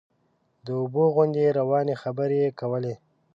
د اوبو غوندې روانې خبرې یې کولې.